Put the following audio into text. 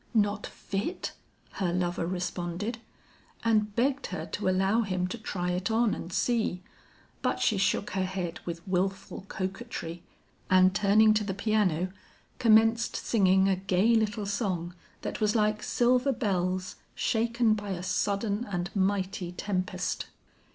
"'Not fit!' her lover responded; and begged her to allow him to try it on and see, but she shook her head with wilful coquetry, and turning to the piano, commenced singing a gay little song that was like silver bells, shaken by a sudden and mighty tempest.